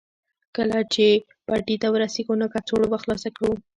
کله چې پټي ته ورسېږو نو کڅوړه به خلاصه کړو